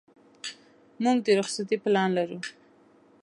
موږ د رخصتۍ پلان لرو.